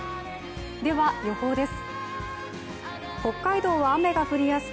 では予報です。